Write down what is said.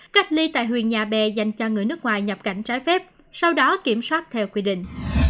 cách ly tại huyện nhà bè dành cho người nước ngoài nhập cảnh trái phép sau đó kiểm soát theo quy định